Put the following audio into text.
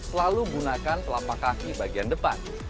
lalu gunakan telapak kaki bagian depan